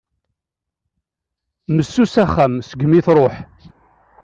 Messus axxam segmi truḥ.